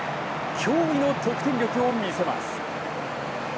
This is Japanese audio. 驚異の得点力を見せます。